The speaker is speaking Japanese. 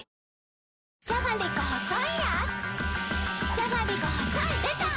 じゃがりこ細いやーつ